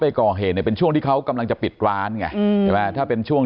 ไปก่อเหตุเป็นช่วงที่เขากำลังจะปิดร้านไงถ้าเป็นช่วง